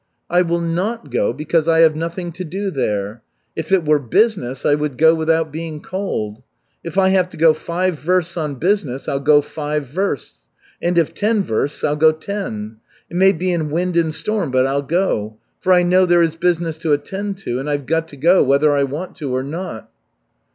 "I will not go because I have nothing to do there. If it were business, I would go without being called. If I have to go five versts on business, I'll go five versts, and if ten versts, I'll go ten. It may be in wind and storm, but I'll go. For I know there is business to attend to and I've got to go whether I want to or not."